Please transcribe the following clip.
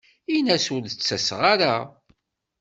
In-as ur d-ttaseɣ ara.